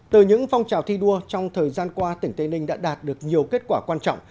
từ những phong trào thi đua trong thời gian qua tỉnh tây ninh đã đạt được nhiều kết quả quan trọng